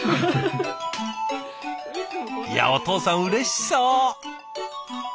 いやお父さんうれしそう！